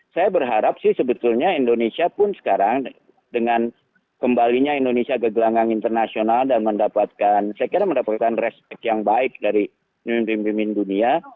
saya berharap sih sebetulnya indonesia pun sekarang dengan kembalinya indonesia ke gelanggang internasional dan mendapatkan saya kira mendapatkan respect yang baik dari pemimpin pemimpin dunia